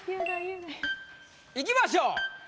いきましょう。